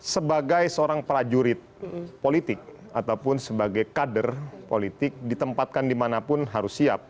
sebagai seorang prajurit politik ataupun sebagai kader politik ditempatkan dimanapun harus siap